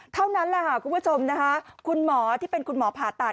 เท่านั้นคุณผู้ชมคุณหมอที่เป็นคุณหมอผ่าตัด